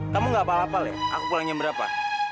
kamu gak apal apal ya aku pulangnya berapa